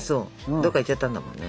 どっか行っちゃったんだもんね。